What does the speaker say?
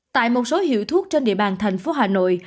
tại một số hiệu thuốc trên địa bàn thành phố hà nội